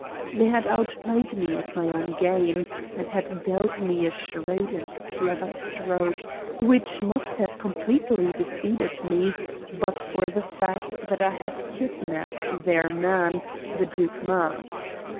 They had outplayed me at my own game, and had dealt me a shrewd and clever stroke, which must have completely defeated me but for the fact that I had kidnapped their man, the Duke Marx.